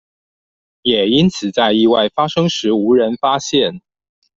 也因此在意外發生時無人發現